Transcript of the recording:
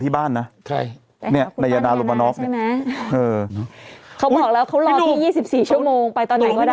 พี่หนุ่มสนใจป้าใช่ไหมเนี่ย